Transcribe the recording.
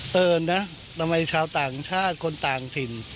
เตือนนะทำไมชาวต่างชาติคนต่างถิ่น